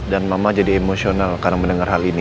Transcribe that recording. dan mama jadi emosional karena mendengar hal ini